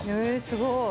すごい。